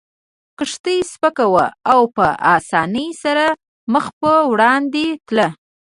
کښتۍ سپکه وه او په اسانۍ سره مخ پر وړاندې تله.